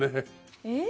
えっ？